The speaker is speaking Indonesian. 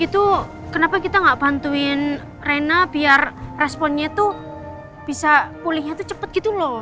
itu kenapa kita nggak bantuin reyna biar responnya tuh bisa pulihnya cepet gitu loh